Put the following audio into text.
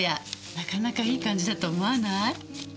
なかなかいい感じだと思わない？